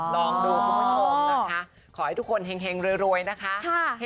ลองดูคุณผู้ชมนะคะขอให้ทุกคนเห็งรวยนะคะ